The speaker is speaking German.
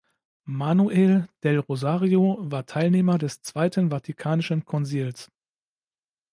Manuel del Rosario war Teilnehmer des Zweiten Vatikanischen Konzils.